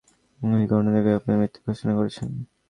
এই সেই কর্ণ যাকে আপনারা মৃত ঘোষণা করেছেন।